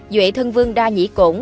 duệ thân vương đa nhĩ cổn